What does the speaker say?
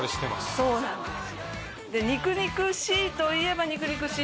そうなんですよ。